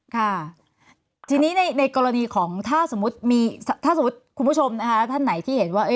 ค่ะทีนี้ในกรณีของถ้าสมมุติคุณผู้ชมท่านไหนที่เห็นว่า